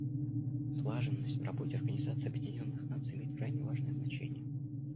Слаженность в работе Организации Объединенных Наций имеет крайне важное значение.